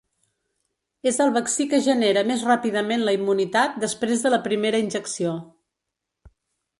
És el vaccí que genera més ràpidament la immunitat després de la primera injecció.